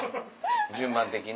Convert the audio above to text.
順番的に。